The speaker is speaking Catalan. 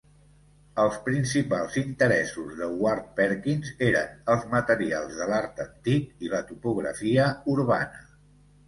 Els principals interessos de Ward-Perkins eren els materials de l'art antic i la topografia urbana.